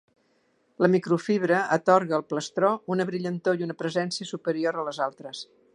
La microfibra atorga al plastró una brillantor i una presència superior a les altres.